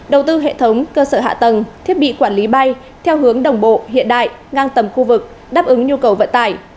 đầu tư hệ thống cơ sở hạ tầng thiết bị quản lý bay theo hướng đồng bộ hiện đại ngang tầm khu vực đáp ứng nhu cầu vận tải